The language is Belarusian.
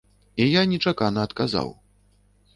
І я нечакана адказаў.